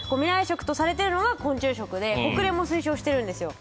食とされてるのが昆虫食で国連も推奨してるんですよ